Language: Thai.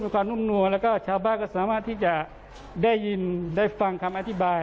ความนุ่มนัวแล้วก็ชาวบ้านก็สามารถที่จะได้ยินได้ฟังคำอธิบาย